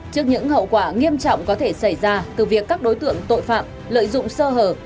trước những hậu quả nghiêm trọng có thể xảy ra từ việc các đối tượng tội phạm lợi dụng sơ hở